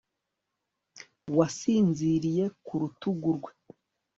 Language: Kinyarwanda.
Wasinziriye ku rutugu rwe